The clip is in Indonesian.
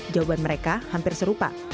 jawaban mereka hampir serupa